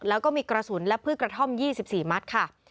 แล้วก็มีกระสุนและพืชกระท่อมยี่สิบสี่มัตย์ค่ะ